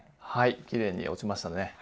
はいきれいに落ちましたね。